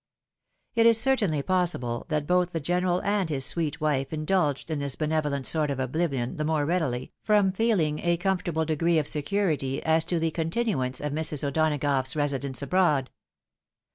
It is certainly possible that both the General and his sweet wife indulged in this benevolent sort of obhvion the more readily, from feeling a comfortable degree of seovirity as to the continuance of Mrs. O'Donagough's residence abroad.